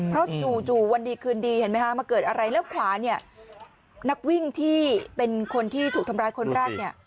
เพราะจู่วันดีคืนดีเห็นไหมฮะมาเกิดอะไรแล้วขวาเนี่ยนักวิ่งที่เป็นคนที่ถูกทำร้ายคนแรกเนี่ย